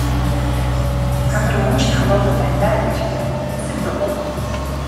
Та нар мөн ч томоогүй байна даа гэж хэлээд хэсэг дуугүй болов.